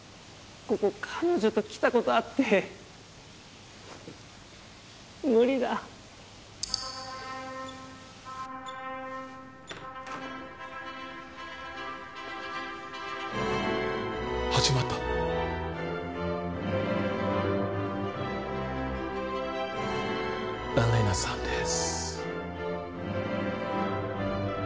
ここ彼女と来たことあって無理だ。始まった。エレナさんです。